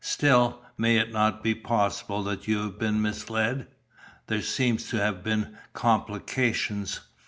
Still, may it not be possible that you have been misled? There seem to have been complications."